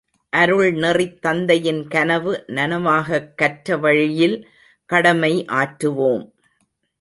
அருள் நெறித் தந்தையின் கனவு, நனவாகக் கற்றவழியில் கடமை ஆற்றுவோம்.